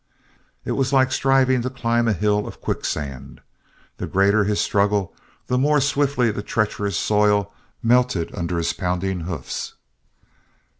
It was like striving to climb a hill of quicksand. The greater his struggle the more swiftly the treacherous soil melted under his pounding hoofs.